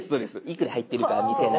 いくら入っているかは見せない。